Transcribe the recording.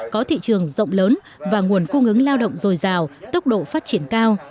có thị trường rộng lớn và nguồn cung ứng lao động dồi dào tốc độ phát triển cao